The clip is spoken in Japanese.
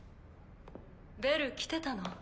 ベル来てたの。